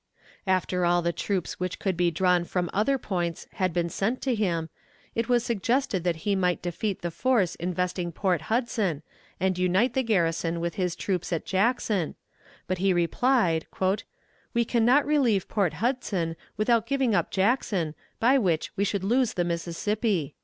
After all the troops which could be drawn from other points had been sent to him, it was suggested that he might defeat the force investing Port Hudson, and unite the garrison with his troops at Jackson, but he replied: "We can not relieve Port Hudson without giving up Jackson, by which we should lose Mississippi."